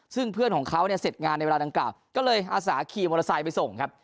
ซึ่งเพื่อนของเขาเนี่ยเสร็จงานในเวลาดังกล่าวก็เลยอาสาขี่มอเตอร์ไซค์ไปส่งครับ